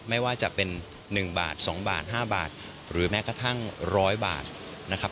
ไม่ว่าจะเป็น๑บาท๒บาท๕บาทหรือแม้กระทั่ง๑๐๐บาทนะครับ